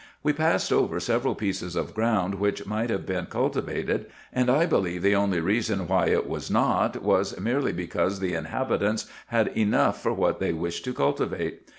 We passed over several pieces of ground which might have been cultivated, and I believe the only reason why it was not was merely because the inhabitants had enough for what they wished to cultivate.